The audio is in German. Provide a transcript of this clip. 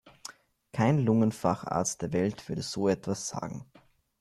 Kein Lungenfacharzt der Welt würde so etwas sagen.